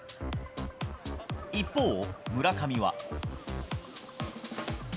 一方、村上は。